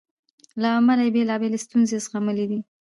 له امله یې بېلابېلې ستونزې زغملې دي.